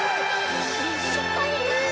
しっかり！